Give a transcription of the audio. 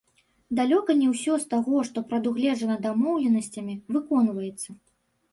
Далёка не ўсё з таго, што прадугледжана дамоўленасцямі, выконваецца.